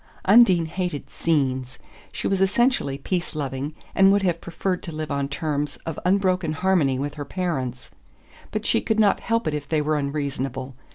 Undine hated "scenes": she was essentially peace loving, and would have preferred to live on terms of unbroken harmony with her parents. But she could not help it if they were unreasonable.